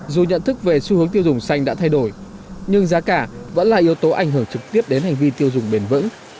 dù nhận thức về xu hướng tiêu dùng xanh đã thay đổi nhưng giá cả vẫn là yếu tố ảnh hưởng trực tiếp đến hành vi tiêu dùng bền vững